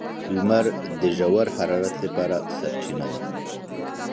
• لمر د ژور حرارت لپاره سرچینه ده.